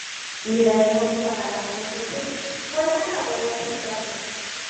Liga Deportiva Alajuelense fue el ganador del certamen.